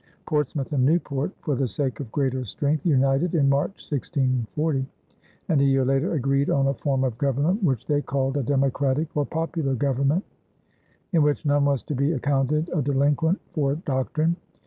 Portsmouth and Newport, for the sake of greater strength, united in March, 1640, and a year later agreed on a form of government which they called "a democratic or popular government," in which none was to be "accounted a delinquent for doctrine."